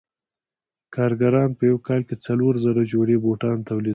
کارګران په یو کال کې څلور زره جوړې بوټان تولیدوي